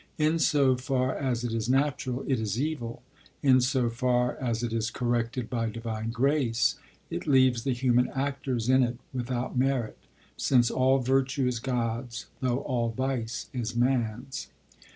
In so far as it is natural, it is evil. In so far as it is corrected by divine grace, it leaves the human actors in it without merit; since all virtue is God's, though all vice is man's.